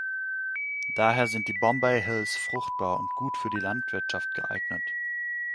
Daher sind die Bombay Hills fruchtbar und gut für die Landwirtschaft geeignet.